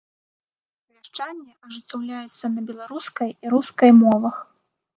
Вяшчанне ажыццяўляецца на беларускай і рускай мовах.